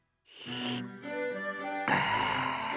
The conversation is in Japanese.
ああ。